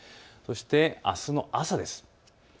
そして、あすの朝です。